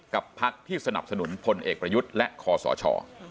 พักที่สนับสนุนพลเอกประยุทธ์และคอสช